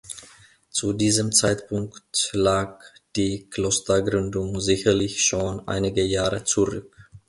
Zu diesem Zeitpunkt lag die Klostergründung sicherlich schon einige Jahre zurück.